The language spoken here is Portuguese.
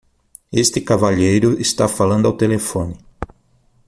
Este cavalheiro está falando ao telefone